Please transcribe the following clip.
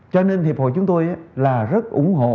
cho nên hiệp hội chúng tôi là rất ủng hộ